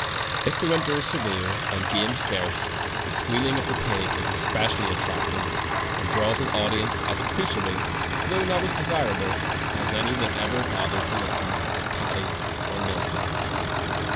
If the winter is severe, and game scarce, the squealing of the pig is especi ally attractive, and draws an audience as appre ciative, though not as desirable, as any that ever gathered to listen to Patti or Nillson.